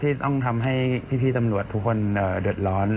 ที่ต้องทำให้พี่ตำรวจทุกคนเดือดร้อน